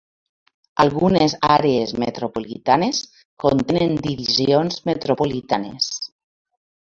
Algunes àrees metropolitanes contenen divisions metropolitanes.